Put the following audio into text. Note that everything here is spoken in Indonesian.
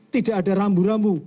tidak ada rambu rambu